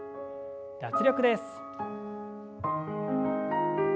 脱力です。